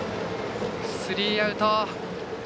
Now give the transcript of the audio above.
スリーアウト。